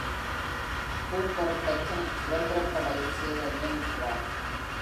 Cooper, தச்சனைச் சுதந்திரப் படையில் சேர நியமிக்கிறார்.